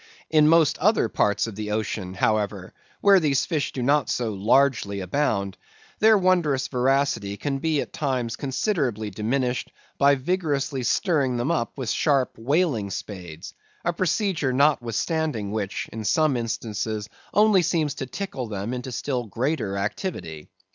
In most other parts of the ocean, however, where these fish do not so largely abound, their wondrous voracity can be at times considerably diminished, by vigorously stirring them up with sharp whaling spades, a procedure notwithstanding, which, in some instances, only seems to tickle them into still greater activity.